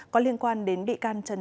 có liên quan đến bị can trần